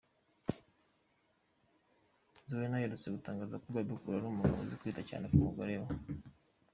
Zuena aherutse gutangaza ko Bebe Cool ari umugabo uzi kwita cyane ku mugore we.